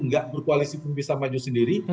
nggak berkoalisi pun bisa maju sendiri